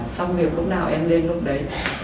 xong việc lúc nào em lên lúc đấy